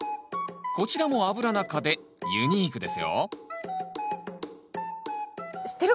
こちらもアブラナ科でユニークですよ知ってるかな？